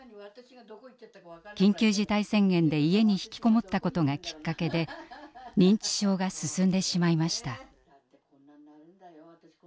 緊急事態宣言で家に引きこもったことがきっかけで認知症が進んでしまいました。